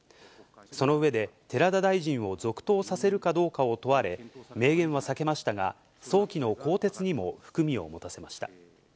その上で、寺田大臣を続投させるかどうかを問われ、明言は避けましたが、早期の更迭にも含みを持たせました。